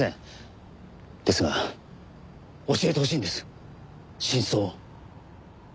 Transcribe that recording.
ですが教えてほしいんです真相を。